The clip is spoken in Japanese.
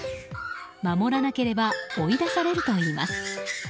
守らなければ追い出されるといいます。